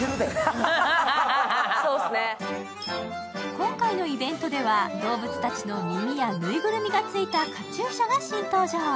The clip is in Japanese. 今回のイベントではどうぶつたちの耳やぬいぐるみがついたカチューシャが新登場。